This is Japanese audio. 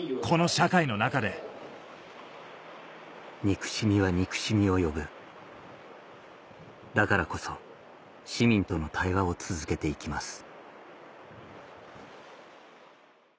しかし市民からは憎しみは憎しみを呼ぶだからこそ市民との対話を続けて行きます